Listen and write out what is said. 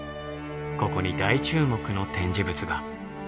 ここに大注目の展示物が。